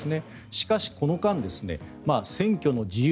しかし、この間、選挙の自由